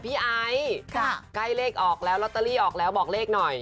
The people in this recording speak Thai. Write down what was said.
ไอซ์ใกล้เลขออกแล้วลอตเตอรี่ออกแล้วบอกเลขหน่อย